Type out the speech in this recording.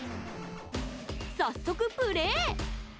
早速、プレイ！